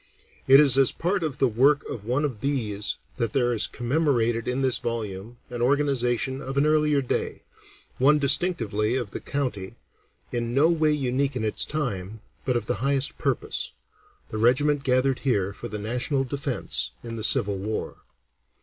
It is as part of the work of one of these that there is commemorated in this volume an organization of an earlier day, one distinctively of the county, in no way unique in its time, but of the highest purpose the regiment gathered here for the national defence in the Civil War.